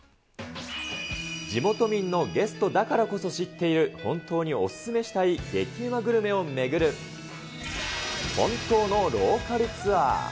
地元民のゲストだからこそ知っている、本当にお勧めしたい激うまグルメを巡る、本当のローカルツアー。